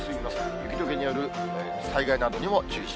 雪どけによる災害などにも注意し